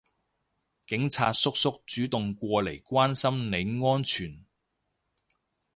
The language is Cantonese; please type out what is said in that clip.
警察叔叔主動過嚟關心你安全